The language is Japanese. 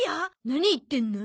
何言ってんの？